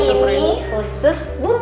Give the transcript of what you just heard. ini khusus bumio